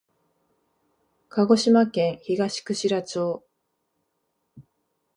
鹿児島県東串良町